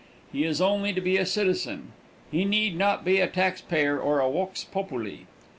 He has only to be a citizen. He need not be a tax payer or a vox populi.